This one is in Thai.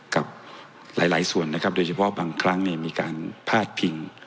กับหลายหลายส่วนนะครับโดยเฉพาะบางครั้งมีการพาดพิง